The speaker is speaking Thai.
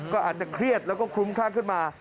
ก็อาจจะเครียดแล้วก็คลุ้มข้างขึ้นมา